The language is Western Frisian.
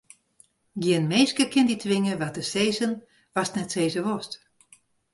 Gjin minske kin dy twinge wat te sizzen watst net sizze wolst.